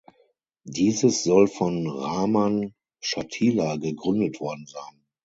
Dieses soll von Raman Schatila gegründet worden sein.